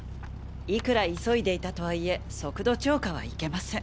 いくら急いでいたとはいえ速度超過はいけません。